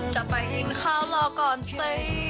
จะไปกินข้าวรอก่อนสิ